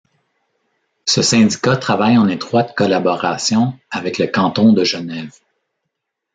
Ce syndicat travaille en étroite collaboration avec le Canton de Genève.